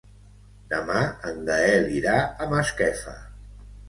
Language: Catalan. Demà en Gaël irà a Masquefa.